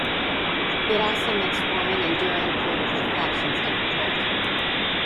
It also makes forming enduring political factions difficult.